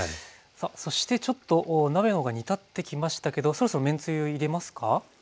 さあそしてちょっと鍋の方が煮立ってきましたけどそろそろめんつゆ入れますか？